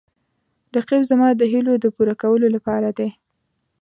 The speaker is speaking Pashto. رقیب زما د هیلو د پوره کولو لپاره دی